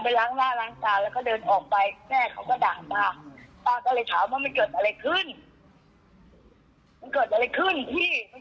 เพราะแม่ขาดตกค่อย